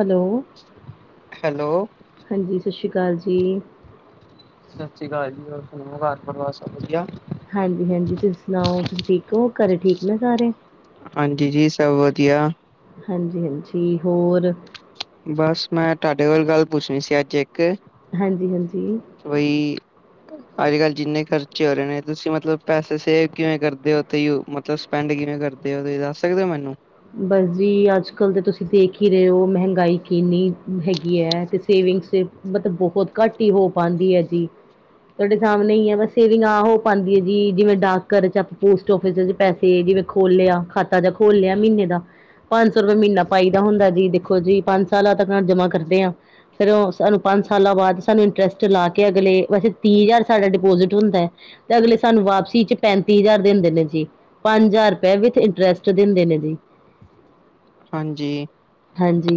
Hello. Hello. ਹਾਂਜੀ ਸਸ਼ੀ ਕਾਲ ਜੀ। ਸਾਸਰੀ ਕਾਲ ਜੀ ਹੋਰ ਸੁਣਾਓ ਘਰ ਪਰਵਾਾਰ ਸਭ ਵਧੀਆ। ਹਾਂਜੀ ਹਾਂਜੀ ਤੁਸੀਂ ਸੁਣਾਓ ਤੁਸੀਂ ਠੀਕ ਓ, ਘਰੇ ਠੀਕ ਨੇ ਸਾਰੇ। ਹਾਂਜੀ ਜੀ ਸਭ ਵਧੀਆ। ਹਾਂਜੀ ਹਾਂਜੀ ਹੋਰ। ਬਸ ਮੈਂ ਤਾਡੇ ਕੋ ਗੱਲ ਪੁੱਛਣੀ ਸੀ ਅੱਜ ਇੱਕ। ਹਾਂਜੀ ਹਾਂਜੀ। ਵਈ ਅੱਜ ਕੱਲ੍ਹ ਜਿੰਨੇ ਖਰਚੇ ਹੋ ਰਹੇ ਨੇ, ਤੁਸੀਂ ਮਤਲਬ ਪੈਸੇ ਸੇਵ ਕਿਵੇਂ ਕਰਦੇ ਹੋ ਤੁਈ ਮਤ ਤੋ ਸਪੈਂਡ ਕਿਵੇਂ ਕਰਦੇ ਹੋ ਤੇ ਦੱਸ ਸਕਦੇ ਓ ਮੈਨੂੰ। ਬਸ ਜੀ ਅੱਜ ਕੱਲ੍ਹ ਤੇ ਤੁਸੀਂ ਦੇਖ ਈ ਰਏ ਓ ਮਹਿਗਾਈ ਕਿੰਨੀ ਹੈਗੀ ਐ ਤੇ ਸੇਵਿੰਗ ਫੇਰ ਮਤਬ ਬੋਹਤ ਘੱਟ ਈ ਹੋ ਪਾਂਦੀ ਐ ਜੀ। ਤੁਆਡੇ ਸਾਮਣੇ ਈ ਐ ਬਸ ਸੇਵਿੰਗ ਆ ਹੋ ਪਾਂਦੀ ਏ ਜੀ, ਜਿਵੇਂ ਡਾਕ ਘਰ 'ਚ ਆਪਾ ਪੋਸ ਟੋਫੇ 'ਚ ਪੈਸੇ ਜਿਵੇਂ ਖੋਲ੍ਹਿਆ, ਖਾਤਾ ਜਾਂ ਖੋਲ ਲਿਆ ਮੀਨੇ ਪੰਜ ਸੌ ਰੁਪਿਆ ਮੀਨਾ ਪਾਈ ਦਾ ਹੁੰਦਾ ਜੀ ਦੇਖੋ ਜੀ ਪੰਜ ਸਾਲਾਂ ਤਕਾ ਜਮਾ ਕਰਦੇ ਆਂ। ਫਿਰ ਓ, ਸਾਨੂੰ ਪੰਜ ਸਾਲਾਂ ਬਾਅਦ, ਸਾਨੂੰ ਇੰਟਰਸਟ ਲਾ ਕੇ ਅਗਲੇ, ਵੈਸੇ ਤੀਹ ਹਜ਼ਾਰ ਸਾਡਾ ਡਿਪੋਜ਼ਿਟ ਹੁੰਦਾ ਐ। ਤੇ ਅਗਲੇ ਸਾਨੂੰ ਵਾਪਸੀ ਚ ਪੈਂਤੀ ਹਜ਼ਾਰ ਦਿੰਦੇ ਨੇ ਜੀ। ਪੰਜ ਹਜ਼ਾਰ ਰੁਪਏ, ਵਿਚ ਇੰਟਰਸਟ ਦਿੰਦੇ ਨੇ ਜੀ। ਹਾਂਜੀ। ਹਾਂਜੀ,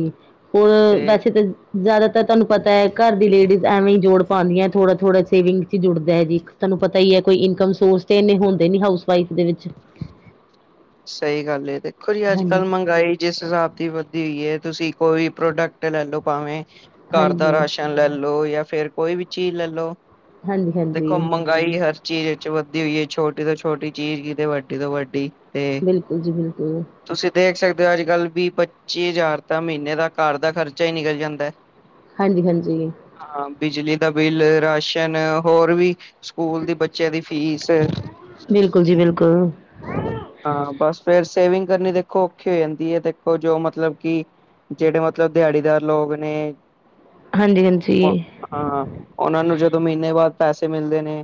ਹੋਰ ਤੇ ਵੈਸੇ ਤਾਂ ਜ਼ਿਆਦਾਤਰ ਤੁਹਾਨੂੰ ਪਤਾ ਐ, ਘਰ ਦੀ ਲੇਡੀਜ਼ ਐਵੇਂ ਈਂ ਜੋੜ ਪਾਂਦੀਆਂ ਐ, ਥੋੜਾ-ਥੋੜਾ ਸੇਵਿੰਗ ਚ ਜੁੜਦਾ ਐ ਜੀ। ਤਾਨੂੰ ਪਤਾ ਈ ਐ, ਕੋਈ ਇਨਕਮ ਸੋਰਸ ਤੇ ਇੰਨੇ ਹੁੰਦੇ ਨੀ ਹਾਊਸ ਵਈਫ ਦੇ ਵਿੱਚ। ਸਹੀ ਗੱਲ ਏ, ਦੇਖੋ ਜੀ ਹਾਂਜੀ ਅੱਜ-ਕੱਲ ਮੰਗਾਈ ਜਿਸ ਹਿਸਾਬ ਦੀ ਵਧਦੀ ਹੋਈ ਐ, ਤੁਸੀਂ ਕੋਈ ਪ੍ਰੋਡਕਟ ਲੈਲੋ ਭਾਵੇਂ। ਘਰ ਦਾ ਹਾਂਜੀ ਰਾਸ਼ਨ ਲੈ ਲੋ, ਜਾਂ ਫੇਿਰ ਕੋਈ ਵੀ ਚੀਜ਼ ਲੈ ਲੋ, ਹਾਂਜੀ ਹਾਂਜੀ ਦੇਖੋ ਮੰ। ਗਾਈ ਹਰ ਚੀਜ਼ ਵਿਚ ਵੱਦਧੀ ਹੋਈ ਐ, ਛੋਟੀ ਤੋਂ ਛੋਟੀ ਚੀਜ਼ ਕਿਤੇ ਵੱਡੀ, ਤੋਂ ਵੱਡੀ। ਤੇ ਬਿਲਕੁਲ ਜੀ ਬਿਲਕੁਲ। ਤੁਸੀਂ ਦੇਖ ਸਕਦੇ ਹੋ ਅੱਜ-ਕੱਲ੍ਹ ਵੀ-ਪੱਚੀ ਹਜ਼ਾਰ ਤਾਂ ਮਹੀਨੇ ਦਾ ਘਰ ਦਾ ਖਰਚਾ ਈ ਨਿਕਲ ਜਾਂਦਾ ਐ। [inaudible] ਹਾਂਜੀ-ਹਾਂਜੀ। ਹਾਂ, ਬਿਜਲੀ ਦਾ ਬਿੱਲ, ਰਾਸ਼ਨ ਹੋਰ ਵੀ ਸਕੂਲ ਦੀ ਬੱਚਿਆਂ ਦੀ ਫ਼ੀਸ। ਬਿਲਕੁਲ ਜੀ ਬਿਲਕੁਲ। ਹਾਂ ਬਸ ਫੇਰ ਸੇਵਿੰਗ ਕਰਨੀ ਦੇਖੋ ਔਖੀ ਹੋ ਜਾਂਦੀ ਐ, ਦੇਖੋ ਜੋ ਮਤਲਬ ਕਿ। ਜਿਹੜੇ ਮਤਲਬ ਦਿਹਾੜੀਦਾਰ ਲੋਗ ਨੇ। ਹਾਂਜੀ - ਹਾਂਜੀ। ਹਾਂ, ਓਨਾਂ ਨੂੰ ਜਦੋਂ ਮਹੀਨੇ ਬਾਅਦ ਪੈਸੇ ਮਿਲਦੇ ਨੇ।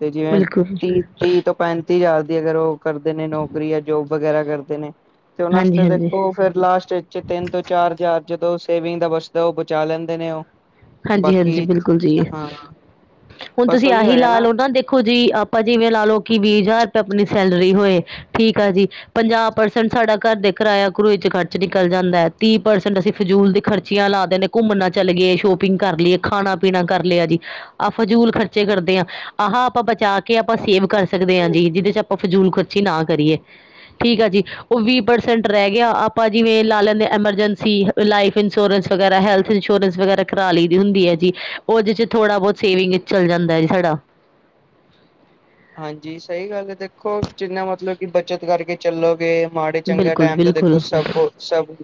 ਤੇ ਜਿਵੇਂ ਬਿਲਕੁਲ ਤੀਹ-ਤੀਹ ਤੋਂ ਪੈਂ। ਤੀ ਹਜਾਰ ਦੀ ਅਗਰ ਉਹ ਕਰਦੇ ਨੇ ਨੌਕਰੀ, ਜਾਂ ਜੋਬ ਵਗੈਰਾ ਕਰਦੇ ਨੇ, ਤੇ ਉਹਨਾਂ ਹਾਂਜੀ ਵਾਸਤੇ ਹਾਂਜੀ ਦੇਖੋ। ਫੇਰ ਲਾਸਟ ਚ ਤਿੰਨ ਤੋਂ ਚਾਰ ਹਜ਼ਾਰ ਜਦੋਂ ਸੇਵਿੰਗ ਦਾ ਬਚਦਾ ਉਹ ਬਚਾ ਲੈਂਦੇ ਨੇ ਉਹ। ਹਾਂਜੀ-ਹਾਂਜੀ, ਬਾਕੀ ਬਿਲਕੁਲ ਜੀ, ਹਾਂ ਹੁਣ ਬਸ ਤੁਸੀਂ ਉਹੀ ਆਹੀ ਹੈਗਾ ਲਾ ਨਾ ਲੋ ਨ ਦੇ। ਦੇਖੋ ਜੀ, ਆਪਾਂ ਜਿਵੇਂ ਲਾ ਲਓ ਕਿ, ਵੀਹ ਹਜ਼ਾਰ ਤਾਂ ਆਪਣੀ ਸੈਲਰੀ ਹੋਏ, ਠੀਕ ਆ ਜੀ ਪੰਜਾਹ ਪਰਸੈਂਟ ਸਾਡਾ ਘਰ ਦੇ ਕਿਰਾਇਆ-ਕਰੂਏ ਚ ਖਰਚ ਨਿਕਲ ਜਾਂਦਾ ਐ, ਤੀਹ ਪਰਸੈਂਟ ਅਸੀਂ ਫਜ਼ੂਲ ਦੇ ਖਰਚ। ਚੀਆਂ ਲਾ ਦਿੰਨੇ, ਘੁੰਮਣਾ ਚੱਲ ਗਏ, ਸ਼ੋਪਿੰਗ ਕਰ ਲਈ, ਖਾਣਾ ਪੀਣਾ ਕਰ ਲਿਆ ਜੀ। ਆ ਫਜ਼ੂਲ ਖਰਚੇ ਕਰਦੇ ਆ। ਆਹ ਆਪਾਂ ਬਚਾ ਕੇ ਆਪਾਂ ਸੇਵ ਕਰ ਸਕਦੇ ਆਂ ਜੀ ਜਿਹਦੇ ਚ ਆਪਾਂ ਫਜੂਲ ਖਰਚੀ ਨਾ ਕਰੀਏ। ਠੀਕ ਆ ਜੀ। ਉਹ ਵੀਹ ਪਰਸੈਂਟ ਰਹਿ ਗਿਆ ਆਪਾਂ ਜਿਵੇਂ ਲਾ ਲੈਂਨੇ ਐਮਰਜੈਂਸੀ ਲਾਈਫ ਇੰਸ਼ੋਰੈਂਸ। ਵਗੈਰਾ, ਹੈਲਥ ਇੰਸ਼ੋਰੈਂਸ ਵਗੈਰਾ। ਕਰਾ ਲਈ ਦੀ ਹੁੰਦੀ ਐ ਜੀ, ਉਹਦੇ 'ਚ ਥੋੜ੍ਹਾ ਬਹੁਤ ਸੇਵਿੰਗ ਚੱਲ ਜਾਂਦਾ ਐ ਜੀ ਸਾਡਾ। ਹਾਂਜੀ ਸਹੀ ਗੱਲ ਐ, ਦੇਖੋ ਜਿੰਨਾ ਮਤਲਬ ਕਿ ਬੱਚਤ ਕਰਕੇ ਚੱਲੋਗੇ। ਮਾੜੇ-ਚੰਗੇਗਾ ਬਿਲਕੁਲ ਟਾਈਮ ਤੋਂ ਦੇਖੋ ਬਿਲਕੁਲ ਸਭ, ਸਭ,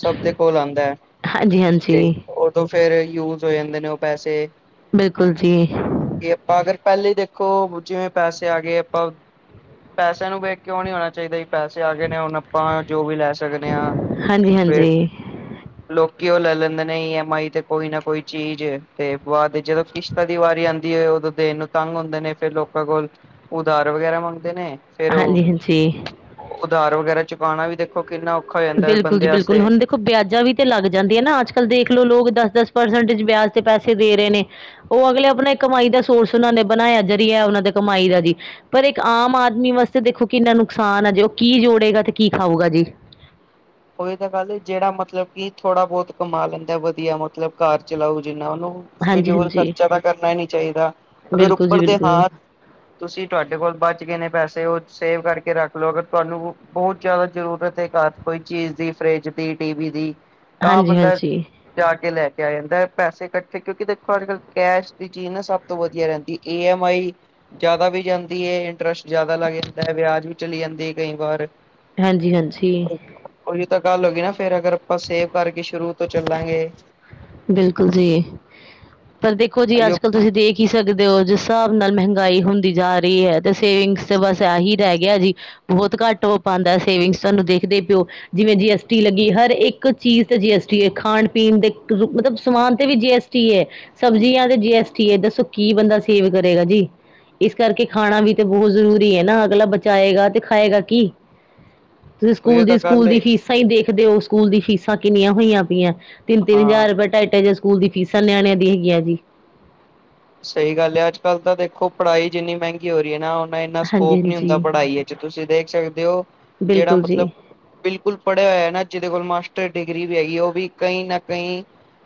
ਸਭ ਦੇ ਕੋਲ ਆਂਦਾ ਐ। ਹਾਂਜੀ-ਹਾਂਜੀ। ਫੇਰ ਯੂਜ ਹੋ ਜਾਂਦੇ ਨੇ ਉਹ ਪੈਸੇ। ਬਿਲਕੁਲ ਜੀ। ਕਿ ਆਪਾਂ ਅਗਰ ਪਹਿਲੇ ਈ ਦੇਖੋ। ਜਿਵੇਂ ਪੈਸੇ ਆ ਗਏ ਆਪਾਂ, ਪੈਸਿਆਂ ਨੂੰ ਵੇਖ ਕੇ ਉਂ ਨੀਂ ਹੋਣਾ ਚਾਹੀਦਾ। ਪੈਸੇ ਆ ਗਏ ਨੇ ਹੁਣ ਆਪਾਂ ਜੋ ਵੀ ਲੈ ਸਕਦੇ ਆਂ ਹਾਂਜੀ ਫਿਰ ਹਾਂਜੀ ਲੋਕੀ ਓ ਲੈ-ਲੈਂਦੇ ਨੇ ਈਐਮ ਆਈ ਤੇ ਕੋਈ ਨਾ ਕੋਈ ਚੀਜ਼ ਤੇ ਬਾਅਦ ਵਿਚ ਜਦੋਂ ਕਿਸਤਾਂ। ਦੀ ਵਾਰੀ ਆਂਦੀ ਐ, ਉਦੋਂ ਦੇਣ ਨੂੰ ਤੰਗ ਹੁੰਦੇ ਨੇ ਫਿਰ ਲੋਕਾਂ ਕੋਲ ਉਧਾਰ ਵਗੈਰਾ ਮੰਗਦੇ ਨੇ। ਫਿਰ ਉਹ ਹਾਂਜੀ ਹਾਂਜੀ ਉਧਾਰ ਵਗੈਰਾ ਚੁਕਾਉਣਾ ਵੀ ਦੇਖੋ ਕਿੰਨਾ ਔਖਾ ਹੋ ਜਾਂਦਾ ਬਿਲਕੁਲ ਜੀ ਬੰਦੇ ਬਿਲਕੁਲ ਵਾਸਤੇ ਹੁਣ ਦੇਖੋ ਵਿਆਜਾਂ ਵੀ ਤੇ ਲੱਗ ਜਾਂਦੀਆਂ ਨਾ ਅੱਜ ਕੱਲ ਦੇਖ ਲੋ ਲੋਕ ਦਸ ਦਸ ਪਰਸੈਂਟਜ ਵਿਆਜ ਤੇ ਪੈਸੇ ਦੇ ਰਹੇ ਨੇ। ਉਹ ਅਗਲੇ ਆਪਣਾ ਕਮਾਈ ਦਾ ਸੋਰਸ ਉਹਨਾਂ ਨੇ ਬਣਾਇਆ ਜ਼ਰੀਆ ਉਹਨਾਂ ਦੇ ਕਮਾਈ ਦਾ ਜੀ ਪਰ ਇੱਕ ਆਮ ਆਦਮੀ ਵਾਸਤੇ ਦੇਖੋ ਕਿੰਨਾ ਨੁਕਸਾਨ ਆ ਜੇ ਉਹ ਕੀ ਜੋੜੇਗਾ ਤੇ ਕੀ ਖਾਊਗਾ ਜੀ। ਉਹੀ ਤਾਂ ਗੱਲ ਜਿਹੜਾ ਮਤਲਬ ਕਿ ਥੋੜਾ ਬਹੁਤ ਕਮਾ ਲੈਂਦਾ ਵਧੀਆ ਮਤਲਬ ਘਰ ਚਲਾਉ ਜਿੰਨਾ ਉਹਨੂੰ ਹਾਂਜੀ ਫਜੂਲ ਹਾਂਜੀ ਖ਼ਰਚਾ ਤਾਂ ਕਰਨਾ ਹੀ ਨਹੀਂ ਚਾਹੀਦਾ ਅਗਰ ਬਿਲਕੁਲ ਜੀ ਉੱਪਰ ਦੇ ਹਾਂ। ਬਿਲਕੁਲ ਤੁਸੀਂ ਤੁਹਾਡੇ ਕੋਲ ਬਚ ਗਏ ਨੇ ਪੈਸੇ ਉਹ ਸੇਵ ਕਰਕੇ ਰੱਖ ਲਓ ਅਗਰ ਤੁਹਾਨੂੰ ਬਹੁਤ ਜ਼ਿਆਦਾ ਜ਼ਰੂਰਤ ਹੈ ਘਰ ਕੋਈ ਚੀਜ਼ ਦੀ ਫਰਿਜ ਦੀ ਟੀਵੀ ਦੀ ਤਾਂ ਹਾਂਜੀ ਬੰਦਾ ਹਾਂਜੀ ਜਾ ਕੇ ਲੈ ਕੇ ਆ ਜਾਂਦਾ ਹੈ ਪੈਸੇ ਇਕੱਠੇ ਕਿਉਂਕਿ ਦੇਖੋ ਅੱਜ ਕੱਲ ਕੈਸ਼ ਦੀ ਚੀਜ਼ ਨਾ ਸਭ ਸਭ ਤੋਂ ਵਧੀਆ ਰਹਿੰਦੀ ਏ ਮਾਈ ਜ਼ਿਆਦਾ ਵੀ ਜਾਂਦੀ ਹੈ ਇੰਟਰਸਟ ਜਿਆਦਾ ਲੱਗ ਜਾਂਦਾ ਹੈ ਵਿਆਜ ਵੀ ਚਲੀ ਜਾਂਦੀ ਹੈ ਕਈ ਵਾਰ ਹਾਂਜੀ-ਹਾਂਜੀ ਛੇ ਉਹੀ ਤਾਂ ਗੱਲ ਹੋ ਗਈ ਨਾ ਫਿਰ ਅਗਰ ਆਪਾਂ ਸੇਵ ਕਰਕੇ ਸ਼ੁਰੂ ਤੋਂ ਚੱਲਾਂਗੇ। ਬਿਲਕੁਲ ਜੀ ਪਰ ਦੇਖੋ ਜੀ ਅੱਜ ਅਈਓ ਕੱਲ ਤੁਸੀਂ ਦੇਖ ਕੀ ਸਕਦੇ ਹੋ ਜਿਸ ਹਿਸਾਬ ਨਾਲ ਮਹਿੰਗਾਈ ਹੁੰਦੀ ਜਾ ਰਹੀ ਹੈ ਤੇ ਸੇਵਿੰਗਸ ਤਾਂ ਬਸ ਇਹੀ ਰਹਿ ਗਿਆ ਜੀ ਬਹੁਤ ਘੱਟ ਉਹ ਪਾਉਂਦਾ ਸੇਵਿੰਗਸ ਸਾਨੂੰ ਦੇਖਦੇ ਪਿਓ ਜਿਵੇਂ ਜੀ ਐਸ ਟੀ ਲੱਗੀ ਹਰ ਇੱਕ ਚੀਜ਼ ਤੇ ਜੀ ਐਸ ਟੀ ਖਾਣ ਪੀਣ ਦੇ ਮਤਲਬ ਸਮਾਨ ਤੇ ਵੀ ਜੀ ਐਸ ਟੀ ਹੈ ਸਬਜ਼ੀਆਂ ਤੇ ਜੀ ਐਸ ਟੀ ਦੱਸੋ ਕੀ ਬੰਦਾ ਸੇਵ ਕਰੇਗਾ ਜੀ ਇਸ ਕਰਕੇ ਖਾਣਾ ਵੀ ਤਾਂ ਬਹੁਤ ਜ਼ਰੂਰੀ ਹੈ ਨਾ ਅਗਲਾ ਬਚਾਏਗਾ ਤੇ ਖਾਏਗਾ ਕੀ। ਤੁਸੀਂ ਉਹੀ ਸਕੂਲ ਦੀ ਤਾਂ ਗੱਲ ਸਕੂਲ ਦੀ ਏ ਫੀਸਾਂ ਹੀ ਦੇਖਦੇ ਹੋ ਸਕੂਲ ਦੀ ਫੀਸਾਂ ਕਿੰਨੀਆਂ ਹੋਈਆਂ ਪਈਆਂ। ਤਿੰਨ-ਤਿੰਨ ਹਾਂ ਹਜ਼ਾਰ ਢਾਈ-ਢਾਈ ਹਜ਼ਾਰ ਸਕੂਲ ਦੀ ਫੀਸਾਂ ਨਿਆਣਿਆਂ ਦੀ ਹੈਗੀਆਂ ਜੀ ਸਹੀ ਗੱਲ ਹੈ ਅੱਜ ਕੱਲ ਤਾਂ ਦੇਖੋ ਪੜ੍ਹਾਈ ਜਿੰਨੀ ਮਹਿੰਗੀ ਹੋ ਰਹੀ ਹੈ ਨਾ ਇੰਨਾ ਹਾਂਜੀ ਸਕੋਪ ਨਹੀਂ ਹੁੰਦਾ ਹਾਂਜੀ ਪੜ੍ਹਾਈ ਵਿੱਚ ਤੁਸੀਂ ਦੇਖ ਸਕਦੇ ਹੋ ਜਿਹੜਾ ਬਿਲਕੁਲ ਜੀ ਮਤਲਬ ਬਿਲਕੁਲ ਪੜਿਆ ਹੋਇਆ ਨਾ ਜਿਹਦੇ ਕੋਲ ਮਾਸਟਰ ਡਿਗਰੀ ਵੀ ਹੈਗੀ ਉਹ ਵੀ ਕਈ ਨਾ ਕਈ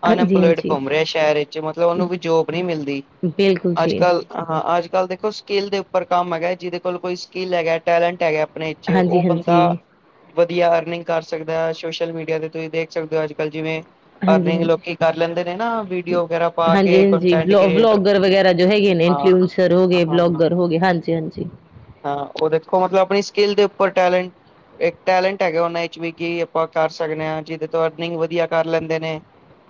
ਹਾਂਜੀ ਅਨਇੰਪਲੋਇਡ ਹਾਂਜੀ ਘੁੰਮ ਰਿਹਾ ਸ਼ਹਿਰ ਵਿੱਚ ਮਤਲਬ ਉਨੂੰ ਵੀ ਜੋਬ ਨੀ ਮਿਲਦੀ। ਬਿਲਕੁਲ ਅੱਜ ਜੀ ਕੱਲ ਹਾਂ ਅੱਜ ਕੱਲ ਦੇਖੋ ਸਕਿੱਲ ਦੇ ਉੱਪਰ ਕੰਮ ਹੈਗਾ ਜਿਹਦੇ ਕੋਲ ਕੋਈ ਸਕਿੱਲ ਹੈਗਾ ਟੈਲੈਂਟ ਹੈਗਾ ਆਪਣੇ ਚ ਹਾਂਜੀ ਉਹ ਬੰਦਾ ਹਾਂਜੀ ਵਧੀਆ ਅਰਨਿੰਗ ਕਰ ਸਕਦਾ ਹੈ ਸੋਸ਼ਲ ਮੀਡੀਆ ਤੇ ਤੁਸੀਂ ਦੇਖ ਸਕਦੇ ਹੋ ਅੱਜ ਕੱਲ ਜਿਵੇਂ ਹਾਂਜੀ ਅਰਨਿੰਗ ਹਾਂਜੀ ਲੋਕੀ ਕਰ ਲੈਂਦੇ ਨੇ ਨਾ ਵੀਡੀਓ ਵਗੈਰਾ ਪਾ ਹਾਂਜੀ ਕੇ ਹਾਂਜੀ ਕੰਟੈਂਟ ਬਲੋ ਕ੍ਰੀਏਟਰ ਬਲੋਗਰ ਵਗੈਰਾ ਜੋ ਹੈਗੇ ਨੇ ਹਾਂ ਇਨਫਲੂਐਂਸਰ ਹੋ ਹਾਂ ਗਏ ਬਲੋਗਰ ਹੋ ਗਏ ਹਾਂਜੀ ਹਾਂਜੀ ਹਾਂ ਉਹ ਦੇਖੋ ਮਤਲਬ ਆਪਣੀ ਸਕਿੱਲ ਦੇ ਉੱਪਰ ਟੈਲੈਂਟ ਇੱਕ ਟੈਲੈਂਟ ਹੈਗਾ ਉਹਨਾਂ ਵਿੱਚ ਵੀ ਕਿ ਆਪਾਂ ਕਰ ਸਕਦੇ ਹਾਂ ਜਿਹਦੇ ਤੋਂ ਅਰਨਿੰਗ ਵਧੀਆ ਕਰ ਲੈਂਦੇ ਨੇ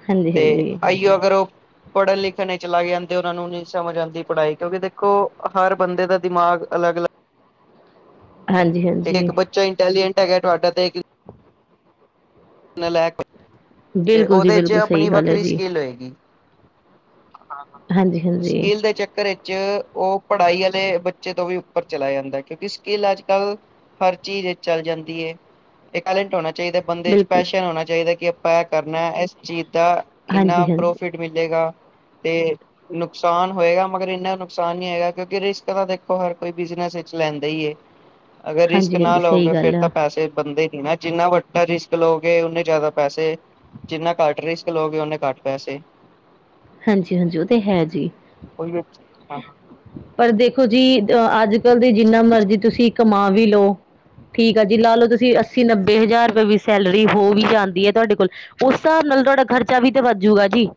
ਹਾਂਜੀ ਤੇ ਹਾਂਜੀ ਆਈਓ ਅਗਰ ਉਹ ਪੜ੍ਹਨ ਲਿਖਣ ਚ ਚਲਾ ਗਨ ਉਹਨਾਂ ਨੂੰ ਨਹੀਂ ਸਮਝ ਆਉਂਦੀ ਪੜ੍ਹਾਈ ਕਿਉਂਕਿ ਦੇਖੋ ਹਰ ਬੰਦੇ ਦਾ ਦਿਮਾਗ ਅਲੱਗ ਅ ਹਾਂਜੀ ਹਾਂਜੀ ਇੱਕ ਬੱਚਾ ਇੰਟੈਲੀਜੈਂਟ ਹੈਗਾ ਤੁਹਾਡਾ ਤੇ ਇੱਕ ਨਾਲਾਇਕ ਤੇ ਬਿਲਕੁਲ ਜੀ ਉਹਦੇ ਚ ਬਿਲਕੁਲ ਆਪਣੀ ਸਹੀ ਗੱਲ ਹੈ ਵੱਖਰੀ ਜੀ ਸਕਿੱਲ ਹੋਏਗੀ। ਹਾਂਜੀ ਹਾਂਜੀ ਸਕੀਲ ਚੱਕਰ ਏ ਚ ਉਹ ਪੜ੍ਹਾਈ ਵਾਲੇ ਬੱਚੇ ਤੋਂ ਵੀ ਉੱਪਰ ਚਲਾ ਜਾਂਦਾ ਹੈ ਕਿਉਂਕਿ ਸਕਿੱਲ ਅੱਜ ਕੱਲ ਹਰ ਚੀਜ਼ ਚੱਲ ਜਾਂਦੀ ਏ ਇਹ ਟੈਲੈਂਟ ਹੋਣਾ ਚਾਹੀਦਾ ਬੰਦੇ ਚ ਬਿਲਕੁਲ ਜੀ ਪੈਸ਼ਨ ਹੋਣਾ ਚਾਹੀਦਾ ਕਿ ਆਪਾਂ ਇਹ ਕਰਨਾ ਇਸ ਚੀਜ਼ ਦਾ ਇੰਨਾ ਹਾਂਜੀ ਹਾਂਜੀ ਪ੍ਰੋਫਿਟ ਮਿਲੇਗਾ ਤੇ ਨੁਕਸਾਨ ਹੋਏਗਾ ਮਗਰ ਇੰਨਾ ਨੁਕਸਾਨ ਨੀ ਹੈਗਾ ਕਿਉਂਕਿ ਰਿਸਕ ਤਾਂ ਦੇਖੋ ਹਰ ਕੋਈ ਬਿਜਨਸ ਵਿੱਚ ਲੈਂਦਾ ਏ ਅਗਰ ਰਿਸਕ ਹਾਂਜੀ ਨਾ ਹਾਂਜੀ ਸਹੀ ਲਓਗੇ ਫਿਰ ਗੱਲ ਤਾਂ ਆ ਪੈਸੇ ਬੰਨ ਦੇ ਨੀ ਨਾ ਜਿੰਨਾ ਵੱਡਾ ਰਿਸਕ ਲਓਗੇ ਉਨੇ ਜ਼ਿਆਦਾ ਪੈਸੇ ਜਿੰਨਾ ਘੱਟ ਰਿਸਕ ਲੳਗੇ ਉਹਨੇ ਘੱਟ ਪੈਸੇ ਹਾਂਜੀ ਹਾਂਜੀ ਉਹ ਤੇ ਹੈ ਜੀ। ਉਹ ਹੀ ਹ ਪਰ ਦੇਖੋ ਜੀ ਅ ਅੱਜ-ਕੱਲ੍ਹ ਦੀ ਜਿੰਨਾ ਮਰਜ਼ੀ ਤੁਸੀਂ ਕਮਾ ਵੀ ਲਓ ਠੀਕ ਆ ਜੀ ਲਾ ਲਓ ਤੁਸੀਂ ਅੱਸੀ-ਨੱਬੇ ਹਜ਼ਾਰ ਰੁਪਏ ਵੀ ਸੈਲਰੀ ਹੋ ਵੀ ਜਾਂਦੀ ਐ, ਤੁਆਡੇ ਕੋਲ ਉਸ ਹਿਸਾਬ ਨਾਲ ਤੁਹਾਡਾ ਖਰਚਾ ਵੀ ਤਾਂ ਵੱਧਜੂਗਾ ਜੀ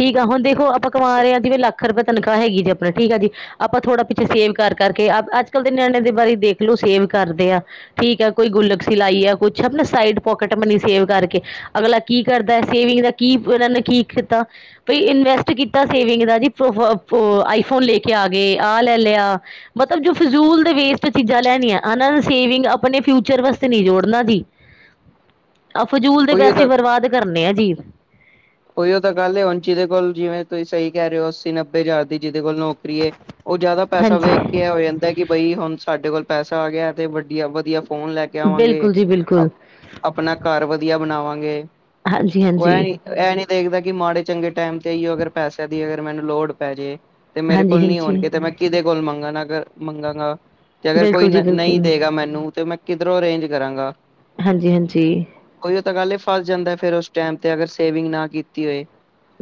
ਠੀਕ ਆ ਹੁਣ ਦੇਖੋ ਆਪਾਂ ਕਮਾ ਲਿਆ ਜਿਵੇਂ ਲੱਖ ਰੁਪਏ ਤਨਖਾਹ ਹੈਗੀ ਜੀ ਆਪਣਾ ਠੀਕ ਹੈ ਜੀ ਆਪਾਂ ਥੋੜਾ ਪਿੱਛੇ ਸੇਵ ਕਰ ਕਰਕੇ, ਅੱਜ-ਕੱਲ੍ਹ ਦੇ ਨਿਆਣੇ ਦੇ ਬਾਰੇ ਦੇਖਲੋ ਸੇਵ ਕਰਦੇ ਆ ਠੀਕ ਹੈ ਕੋਈ ਗੁਲਕ ਸੀ ਲਾਈ ਐ। ਕੁਛ ਨਾ ਸਾਈਡ ਪੋਕਟ ਮਨੀ ਸੇਵ ਕਰਕੇ ਅਗਲਾ ਕੀ ਕਰਦਾ ਐ। ਸੇਵਿੰਗ ਦਾ ਕੀ ਉਹਨਾਂ ਨੇ ਕੀ ਕੀਤਾ? ਬਾਈ ਇਨਵੈਸਟ ਕੀਤਾ ਸੇਵਿੰਗ ਦਾ ਜੀ ਪ ਫ ਫੋ ਆਈਫੋਨ ਲੈ ਕੇ ਆ ਗਏ ਆ ਲੈ ਲਿਆ ਮਤਲਬ ਜੋ ਫਜ਼ੂਲ ਦੇ ਵੇਸਟ ਚੀਜ਼ਾਂ ਲੈਣੀਆਂ ਇਹਨਾਂ ਸੇਵਿੰਗ ਆਪਣੇ ਫਿਊਚਰ ਵਾਸਤੇ ਨਈ ਜੋੜਨਾ ਜੀ। [inaudible] ਆਹ ਫਜ਼ੂਲ ਦੇ ਉਹੀਓ ਪੈਸੇ ਤਾਂ ਬਰਬਾਦ ਕਰਨੇ ਆ ਜੀ। ਉਹੀਓ ਤਾਂ ਗੱਲ ਹੈ ਹੁਣ ਜਿਹਦੇ ਕੋਲ ਜਿਵੇਂ ਤੁਸੀਂ ਸਹੀ ਕਹਿ ਰਹੇ ਹੋ ਅੱਸੀ-ਨੱ ਨੱਬੇ ਹਜਾਰ ਦੀ ਜਿਹਦੇ ਕੋਲ ਨੌਕਰੀ ਏ ਉਹ ਜ਼ਿਆਦਾ ਪੈਸਾ ਵੇਖ ਕੇ ਹਾਂਜੀ ਇਹ ਹੋ ਜਾਂਦਾ ਕਿ ਬਈ ਹੁਣ ਸਾਡੇ ਕੋਲ ਪੈਸਾ ਆ ਗਿਆ ਤੇ ਵਡੀਆ- ਵਧੀਆ ਫੋਨ ਲੈ ਕੇ ਆਵਾਂਗੇ। ਬਿਲਕੁਲ ਜੀ ਬਿਲਕੁਲ ਆਪਣਾ ਘਰ ਵਧੀਆ ਬਣਾਵਾਂਗੇ। ਹਾਂਜੀ ਉਹ ਐ ਹਾਂਜੀ। ਨੀ ਇਹ ਨੀ ਦੇਖਦਾ ਕਿ ਮਾੜੇ ਚੰਗੇ ਟਾਈਮ ਤੇ ਹੀ ਅਗਰ ਪੈਸਿਆਂ ਦੀ ਅਗਰ ਮੈਨੂੰ ਲੋੜ ਪੈ ਜੇ। ਤੇ ਮੇਰੇ ਕੋਲ ਨਈ ਹਾਂਜੀ-ਹਾਂਜੀ, ਹੋਣਗੇ ਤੇ ਮੈਂ ਕਿਹਦੇ ਕੋਲ ਮੰਗਾ ਨਾ ਅਗਰ ਮੰਗਾਂਗਾ। ਤੇ ਅਗਰ ਕੋਈ ਬਿਲਕੁਲ ਜੀ ਨ ਨਈ ਬਿਲਕੁਲ। ਦੇਗਾ ਮੈਨੂੰ ਤੇ ਮੈਂ ਕਿਧਰੋਂ ਅਰੇਂਜ ਕਰਾਂਗਾ। ਹਾਂਜੀ ਹਾਂਜੀ। ਓਈ ਏ ਤਾਂ ਗੱਲ ਐ ਫਸ ਜਾਂਦਾ ਫਿਰ ਉਸ ਟਾਈਮ ਤੇ ਅਗਰ ਸੇਵਿੰਗ ਨਾ ਕੀਤੀ ਹੋਏ।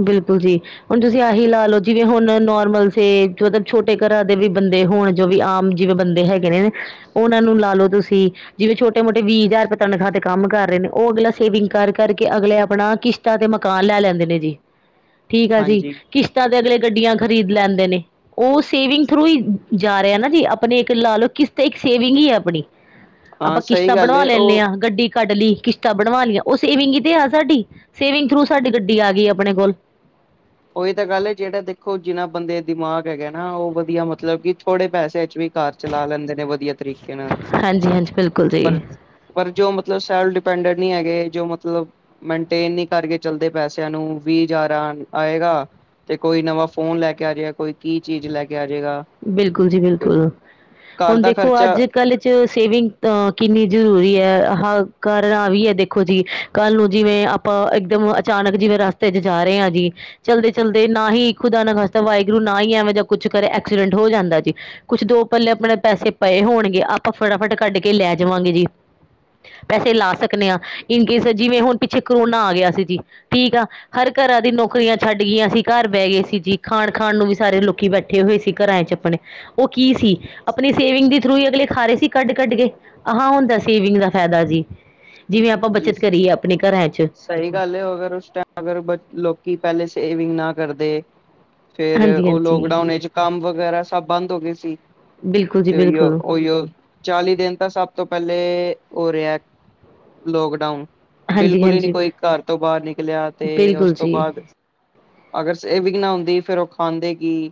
ਬਿਲਕੁਲ ਜੀ। ਹੁਣ ਤੁਸੀਂ ਆਹੀ ਲਾ ਲਓ ਜਿਵੇਂ ਹੁਣ ਨੋਰਮਲ ਸੇ ਮਤਲਬ ਛੋਟੇ ਘਰ ਦੇ ਵੀ ਬੰਦੇ ਹੋਣ ਜੋ ਵੀ ਆਮ ਜਿਵੇਂ ਬੰਦੇ ਹੈਗੇ ਨੇ ਉਹਨਾਂ ਨੂੰ ਲਾ ਲਓ ਤੁਸੀਂ ਜਿਵੇਂ ਛੋਟੇ-ਮੋਟੇ ਵੀਹ ਹਜ਼ਾਰ ਰੁਪਏ ਤਨਖਾਹ ਤੇ ਕੰਮ ਕਰ ਰਹੇ ਨੇ ਉਹ ਅਗਲਾ ਸੇਵਿੰਗ ਕਰਕੇ ਅਗਲੇ ਆਪਣਾ ਕਿਸ਼ ਕਿਸ਼ਤਾਂ ਤੇ ਮਕਾਨ ਲੈ ਲੈਂਦੇ ਨੇ ਜੀ, ਠੀਕ ਆ ਜੀ ਹਾਂਜੀ ਕਿਸ਼ਤਾਂ ਤੇ ਅਗਲੇ ਗੱਡੀਆਂ ਖਰੀਦ ਲੈਂਦੇ ਨੇ ਉਹ ਸੇਵਿੰਗ ਥਰੂ ਹੀ ਜਾ ਰਿਹਾ ਨਾ ਜੀ ਆਪਣੇ ਇੱਕ ਲਾ ਲਓ ਕਿਸਤੇ ਇੱਕ ਸੇਵਿੰਗ ਈ ਹੈ ਆਪਣੀ। [inaudible] ਆਪਾਂ ਸਹੀ ਕਿਸ਼ਤਾਂ ਗੱਲ ਬਣਵਾ ਏ ਲੈਂਨੇ ਉਹ ਆ ਗੱਡੀ ਕੱਢ ਲਈ ਕਿਸ਼ਤਾਂ ਬਣਵਾ ਲਈਆਂ ਉਹ ਸੇਵਿੰਗ ਹੀ ਤੇ ਆ ਸਾਡੀ ਸੇਵਿੰਗ ਥਰੂ ਸਾਡੀ ਗੱਡੀ ਆ ਗਈ ਆਪਣੇ ਕੋਲ ਉਹੀ ਤਾਂ ਗੱਲ ਐ, ਜਿਹੜਾ ਦੇਖੋ ਜਿੰਨਾ ਬੰਦੇ ਦਿਮਾਗ ਹੈਗੇ ਨਾ ਉਹ ਵਧੀਆ ਮਤਲਬ ਕਿ ਥੋੜੇ ਪੈਸੇ ਚ ਵੀ ਘਰ ਚਲਾ ਲੈਂਦੇ ਨੇ ਵਧੀਆ ਤਰੀਕੇ ਨਾਲ, ਹਾਂਜੀ ਹਾਂਜੀ ਬਿਲਕੁਲ ਜੀ ਪਰ ਪਰ ਜੋ ਮਤਲਬ ਸੈਲਫ ਡਿਪੈਂਡਟ ਨਈ ਹੈਗੇ ਜੋ ਮਤਲਬ ਮਨਟੇਨ ਨੀ ਕਰਕੇ ਚਲਦੇ ਪੈਸਿਆਂ ਨੂੰ ਵੀਹ ਹਜ਼ਾਰਾਂ ਆਣ ਆਏਗਾ। ਤੇ ਕੋਈ ਨਵਾਂ ਫੋਨ ਲੈ ਕੇ ਆ ਜਾਏਗਾ ਕੋਈ ਕੀ ਚੀਜ਼ ਲੈ ਕੇ ਆ ਜਾਏਗਾ। ਬਿਲਕੁਲ ਜੀ ਬਿਲਕੁਲ ਘਰ ਹੁਣ ਦਾ ਦੇਖੋ ਖਰਚਾ ਅੱਜ-ਕੱਲ ਚਲੋ ਸੇਵਿੰਗ ਤਾ ਕਿੰਨੀ ਜ਼ਰੂਰੀ ਐ ਆਹਾ ਕਾਰਨ ਆਹ ਵੀ ਐ ਦੇਖੋ ਜੀ। ਕੱਲ੍ਹ ਨੂੰ ਜਿਵੇਂ ਆਪਾਂ ਇੱਕਦਮ ਅਚਾਨਕ ਜਿਵੇਂ ਰਸਤੇ ਚ ਜਾ ਰਹੇ ਆ ਜੀ। ਚਲਦੇ-ਚਲਦੇ ਨਾ ਹੀ ਇੱਕ ਖੁਦਾ ਨਾ ਖਸਦਾ ਵਾਹਿਗੁਰੂ ਨਾ ਹੀ ਐਵੇਂ ਜਾਂ ਕੁੱਛ ਕਰੇ ਐਕਸੀਡੈਂਟ ਹੋ ਜਾਂਦਾ ਜੀ ਕੁਛ ਦੋ ਪੱਲੇ ਆਪਣੇ ਪੈਸੇ ਪਏ ਹੋਣਗੇ ਆਪਾਂ ਫਟਾਫਟ ਕੱਢ ਕੇ ਲੈ ਜਾਵਾਂਗੇ ਜੀ। ਪੈਸੇ ਲਾ ਸਕਦੇ ਆ, ਇਨਕੇਸ ਜਿਵੇਂ ਹੁਣ ਪਿੱਛੇ ਕਰੋਨਾ ਆ ਗਿਆ ਸੀ ਜੀ, ਠੀਕ ਆ ਹਰ ਘਰਾਂ ਦੀ ਨੌਕਰੀਆਂ ਛੱਡ ਗਈਆਂ ਸੀ, ਘਰ ਬਹਿ ਗਏ ਸੀ ਜੀ। ਖਾਣ -ਖਾਣ ਸਾਰੇ ਲੋਕੀ ਬੈਠੇ ਹੋਏ ਸੀ। ਘਰਾਂ ਚ ਆਪਣੇ ਉਹ ਕੀ ਸੀ, ਆਪਣੀ ਸੇਵਿੰਗ ਦੇ ਥਰੂ ਹੀ ਅਗਲੇ ਖਾ ਰਹੇ ਸੀ ਕੱਢ -ਕੱਢ ਕੇ। ਅਹਾਂ ਹੁੰਦਾ ਸੇਵਿੰਗ ਦਾ ਫਾਇਦਾ ਜੀ, ਜਿਵੇਂ ਆਪਾਂ ਜੀ ਬੱਚਤ ਕਰੀਏ ਆਪਣੇ ਘਰਾਂ ਚ। ਸਹੀ ਗੱਲ ਓ ਅਗਰ ਉਸ ਟੈਮ ਅਗਰ ਲੋਕੀ ਪਹਿਲੇ ਸੇਵਿੰਗ ਨਾ ਕਰਦੇ ਫੇਰ ਹਾਂਜੀ ਉਹ ਹਾਂਜੀ ਲੋਕਡਾਊਨ ਵਿੱਚ ਕੰਮ ਵਗੈਰਾ ਸਭ ਬੰਦ ਹੋ ਗਏ ਸੀ। ਬਿਲਕੁਲ ਜੀ ਤੇ ਉਹੀਓ- ਬਿਲਕੁਲ ਉਹੀਓ ਚਾਲੀ ਦਿਨ ਤਾਂ ਸਭ ਤੋਂ ਪਹਿਲੇ ਓ ਰਿਹਾ ਲੋਕਡਾਊਨ, ਹਾਂਜੀ ਬਿਲਕੁਲ ਹੀ ਨੀ ਹਾਂਜੀ ਕੋਈ ਤੋਂ ਬਾਹਰ ਨਿਕਲਿਆ ਤੇ ਬਿਲਕੁਲ ਤੋਂ ਜੀ ਬਾਅਦ ਅਗਰ ਸੇਵਿੰਗ ਨਾ ਹੁੰਦੀ ਫਿਰ ਉਹ ਖਾਂਦੇ ਕੀ?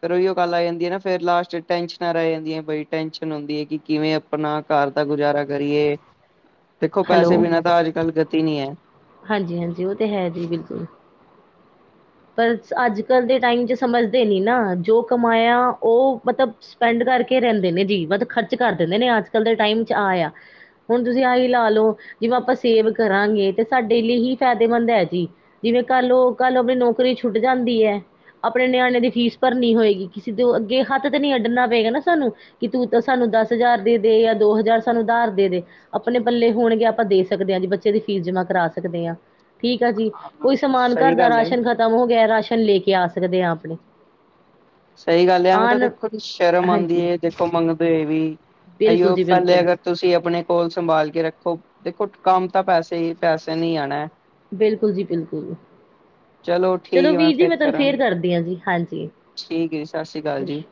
ਫਿਰ ਉਹੀਓ ਗੱਲ ਆ ਜਾਂਦੀ ਹੈ ਨਾ ਫੇਰ ਲਾਸਟ ਟੈਂਨਸਨਾਂ ਰਹਿ ਜਾਂਦੀ ਹੈ ਬਈ ਟੈਨਸ਼ਨ ਹੁੰਦੀ ਹੈ ਕਿ ਕਿਵੇਂ ਆਪਣਾ ਘਰ ਦਾ ਗੁਜ਼ਾਰਾ ਕਰੀਏ, ਦੇਖੋ ਹੈਲੋ ਪੈਸੇ ਬਿਨਾਂ ਤਾਂ ਅੱਜ- ਕੱਲ੍ਹ ਗਤੀ ਨਹੀਂ ਹੈ। ਹਾਂਜੀ- ਹਾਂਜੀ ਉਹ ਤੇ ਹੈ ਜੀ ਬਿਲਕੁਲ। ਪਰ ਅੱਜ- ਕੱਲ ਦੇ ਟਾਈਮ ਚ ਸਮਝਦੇ ਨੀ ਨਾ, ਜੋ ਕਮਾਇਆ ਉਹ ਮਤਲਬ ਸਪੈਂਡ ਕਰਕੇ ਰਹਿੰਦੇ ਨੇ ਜੀ, ਵਧ ਖਰਚ ਕਰ ਦਿੰਦੇ ਨੇ ਅੱਜ- ਕੱਲ ਦੇ ਟਾਈਮ ਚ ਆ, ਆ। ਹੁਣ ਤੁਸੀਂ ਆਹੀ ਲਾ ਲੋਓ, ਜਿਵੇਂ ਆਪਾਂ ਸੇਵ ਕਰਾਂਗੇ ਤੇ ਸਾਡੇ ਲਈ ਹੀ ਫਾਇਦੇਮੰਦ ਹੈ ਜੀ। ਜਿਵੇਂ ਕੱਲ ਓ ਕੱਲ ਆਪਣੀ ਨੌਕਰੀ ਛੁੱਟ ਜਾਂਦੀ ਐ ਆਪਣੇ ਨਿਆਣੇ ਦੀ ਫੀਸ ਭਰਨੀ ਹੋਏਗੀ, ਕਿਸੇ ਤੋਂ ਅੱਗੇ ਹੱਥ ਤੇ ਨੀ ਅੱਡਣਾ ਪਏਗਾ ਨਾ ਸਾਨੂੰ। ਕਿ ਤੂੰ ਤਾਂ ਸਾਨੂੰ ਦਸ ਹਜ਼ਾਰ ਦੇਦੇ ਜਾਂ ਦੋ ਹਜ਼ਾਰ ਸਾਨੂੰ ਆਧਾਰ ਦੇਦੇ। ਆਪਣੇ ਪੱਲੇ ਹੋਣਗੇ ਆਪਾਂ ਦੇ ਸਕਦੇ ਹਾਂ ਜੀ ਬੱਚੇ ਦੀ ਫੀਸ ਜਮਾਂ ਕਰਾ ਸਕਦੇ ਆ, ਠੀਕ ਆ ਜੀ। ਕੋਈ ਸਮਾਨ ਘਰ ਸਹੀ ਦਾ ਗੱਲ ਹੈ ਰਾਸ਼ਨ ਖਤਮ ਹੋ ਗਿਆ, ਰਾਸ਼ਨ ਲੈ ਕੇ ਆ ਸਕਦੇ ਹ ਆਪਣੇ। ਸਹੀ ਗੱਲ ਆ, ਮਤਲਬ ਆਣ ਦੇਖੋ ਜੀ ਸ਼ਰਮ ਆਂਦੀ ਹਾਂਜੀ ਐ ਦੇਖੋ ਮੰਗਦੇ ਹੋ ਵੀ, ਬਿਲਕੁਲ ਅਈਓ ਜੀ ਪਹਿਲੇ ਬਿਲਕੁਲ ਅਗਰ ਤੁਸੀਂ ਆਪਣੇ ਕੋਲ ਸੰਭਾਲ ਕੇ ਰੱਖੋ, ਦੇਖੋ ਕੰਮ ਤਾਂ ਪੈਸੇ ਹੀ ਪੈਸੇ ਨੇ ਹੀ ਆਣਾ। ਬਿਲਕੁਲ ਜੀ ਬਿਲਕੁਲ। ਚਲੋ ਠੀਕ ਐ ਵੀਰ ਜੀ ਫਿਰ ਮੈਂ ਤੁਹਾਨੂੰ ਫੇਰ ਕਰਾਂਗੀ ਕਰਦੀ ਹਾਂ ਜੀ ਹਾਂਜੀ। ਠੀਕ ਐ ਜੀ ਸਤਿ ਸ੍ਰੀ ਅਕਾਲ ਜੀ। ਸਸਰੀ